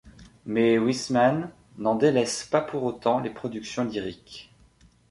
Mais Huisman n'en délaisse pas pour autant les productions lyriques.